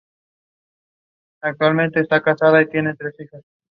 Forma parte del grupo estadounidense Walmart.